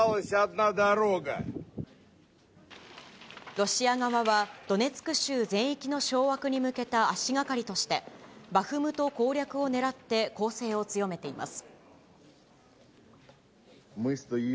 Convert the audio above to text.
ロシア側は、ドネツク州全域の掌握に向けた足がかりとして、バフムト攻略を狙って攻勢を強めています。